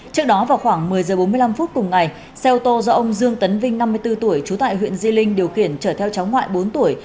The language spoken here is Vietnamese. trước đó vào khoảng một mươi h bốn mươi năm phút cùng ngày xe ô tô do ông dương tấn vinh năm mươi bốn tuổi trú tại huyện di linh điều khiển chở theo cháu ngoại bốn tuổi